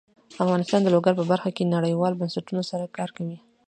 افغانستان د لوگر په برخه کې نړیوالو بنسټونو سره کار کوي.